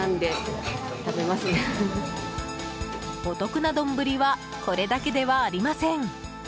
お得な丼はこれだけではありません。